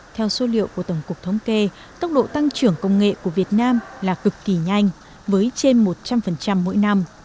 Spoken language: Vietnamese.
theo số liệu của tổng cục thống kê tốc độ tăng trưởng công nghệ của việt nam là cực kỳ nhanh với trên một trăm linh mỗi năm